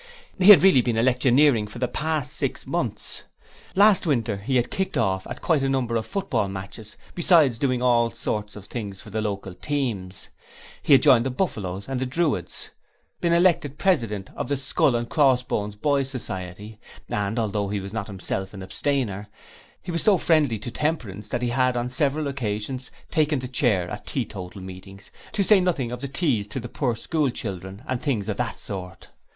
He had really been electioneering for the past six months! Last winter he had kicked off at quite a number of football matches besides doing all sorts of things for the local teams. He had joined the Buffalos and the Druids, been elected President of the Skull and Crossbones Boys' Society, and, although he was not himself an abstainer, he was so friendly to Temperance that he had on several occasions, taken the chair at teetotal meetings, to say nothing of the teas to the poor school children and things of that sort.